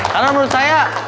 karena menurut saya